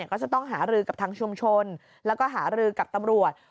ก็จะต้องหารือกับทางชุมชนแล้วก็หารือกับตำรวจ